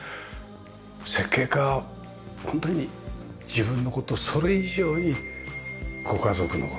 設計家はホントに自分の事それ以上にご家族の事５人家族